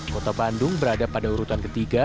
kota bandung berada pada urutan ketiga